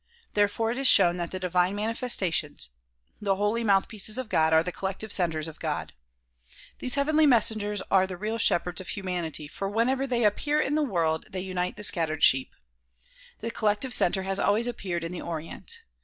Therefore it is shown that the divine mani festations, the holy mouth pieces of God are the collective centers of God. These heavenly messengers are the real shepherds of humanity, for whenever they appear in the world they unite the scattered sheep. The collective center has always appeared in the Orient.